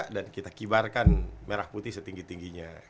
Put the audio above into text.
dan kita kibarkan merah putih setinggi tingginya